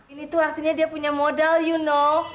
ini tuh artinya dia punya modal you know